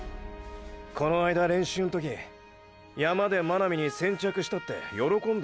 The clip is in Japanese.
この間練習ん時山で真波に先着したって喜んでたじゃねーか。